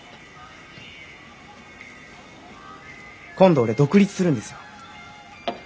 今度俺独立するんですよ。